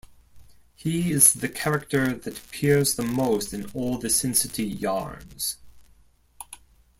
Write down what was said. He is the character that appears the most in all the Sin City yarns.